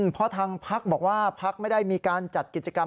เพราะทางพักบอกว่าพักไม่ได้มีการจัดกิจกรรม